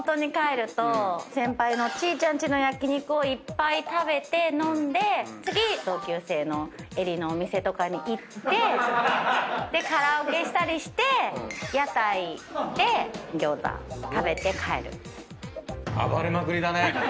先輩のちぃちゃんちの焼肉いっぱい食べて飲んで次同級生のエリのお店とかに行ってカラオケしたりして屋台行って餃子食べて帰る。